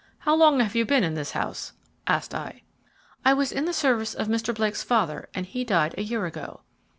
"How long have you been in this house?" asked I. "I was in the service of Mr. Blake's father and he died a year ago."